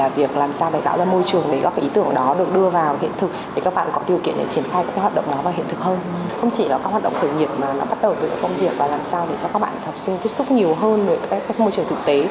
và làm sao để cho các bạn học sinh tiếp xúc nhiều hơn với môi trường thực tế